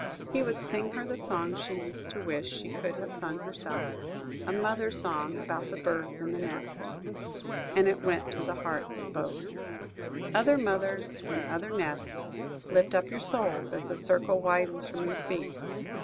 He would sing her the song she used to wish she could have sung herself–a mother's song about the birds in the nest. And it went to the hearts of both. Other mothers in other nests, lift up your souls, as the circle widens from your feet.